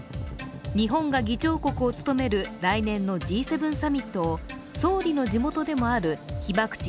日本が議長国を務める来年のＧ７サミットを総理の地元でもある被爆地